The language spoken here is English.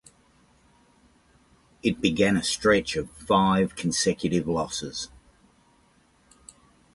It began a stretch of five consecutive losses.